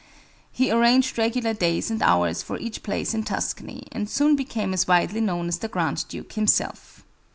He arranged regular days and hours for each place in Tuscany, and soon became as widely known as the Grand Duke himself.